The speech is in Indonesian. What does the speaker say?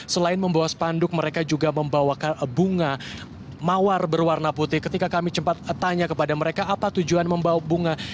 selain membawa spanduk mereka juga membawa bunga mawar berwarna putih ketika kami cepat tanya kepada mereka apa tujuan membawa bunga